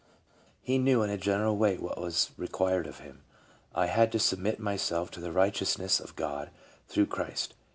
He knew in a general way what was required of him. " I had to submit myself to the righteousness of God through Christ."